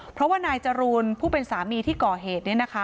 เพราะว่านายจรูนผู้เป็นสามีที่ก่อเหตุ